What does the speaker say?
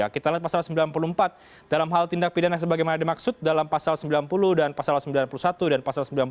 kita lihat pasal sembilan puluh empat dalam hal tindak pidana sebagaimana dimaksud dalam pasal sembilan puluh dan pasal sembilan puluh satu dan pasal sembilan belas